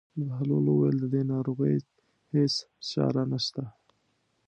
بهلول وویل: د دې ناروغۍ هېڅ چاره نشته.